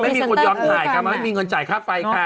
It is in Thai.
ไม่มีคนยอมถ่ายค่ะไม่มีเงินจ่ายค่าไฟค่ะ